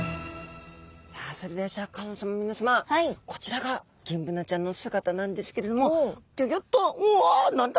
さあそれではシャーク香音さま皆さまこちらがギンブナちゃんの姿なんですけれどもギョギョッとうわ何だ？